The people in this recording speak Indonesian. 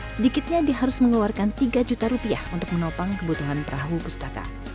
sedikitnya dia harus mengeluarkan tiga juta rupiah untuk menopang kebutuhan perahu pustaka